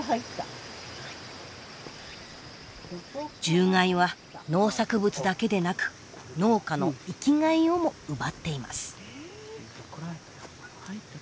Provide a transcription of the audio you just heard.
獣害は農作物だけでなく農家の生きがいをも奪っています。